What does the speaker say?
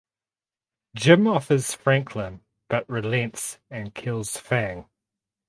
Jim offers Franklyn but relents and kills Fang.